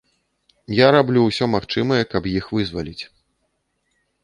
Я раблю ўсё магчымае, каб іх вызваліць.